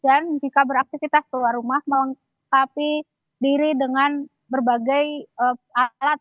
dan jika beraktifitas keluar rumah menghapus diri dengan berbagai alat